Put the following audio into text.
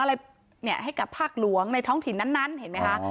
อะไรเนี่ยให้กับภาคหลวงในท้องถิ่นนั้นเห็นไหมคะ